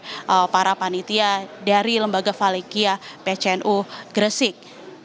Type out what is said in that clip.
kepada para panitia dari lembaga falikia pcnu gresik